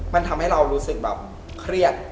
มันทำให้เรารู้สึกแบบเครียด